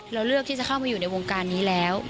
เลือกที่จะเข้ามาอยู่ในวงการนี้แล้ว